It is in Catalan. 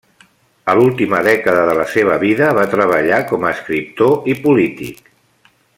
A l'última dècada de la seva vida va treballar com a escriptor i polític.